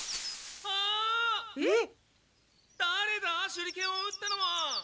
・だれだ？手裏剣を打ったのは！